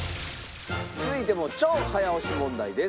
続いても超早押し問題です。